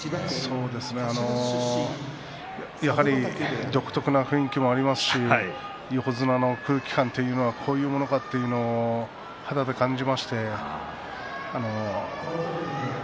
そうですねやはり独特の雰囲気もありますし横綱の空気感というのはこういうものかというのは肌で感じました。